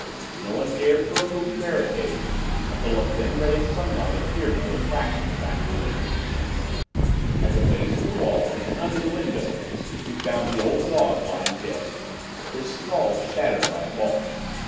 "No one dared to remove the barricade until a thin ray of sunlight appeared through a crack in the back room. "At the base of the wall and under the window, we found the old dog lying dead, his skull shattered by a ball.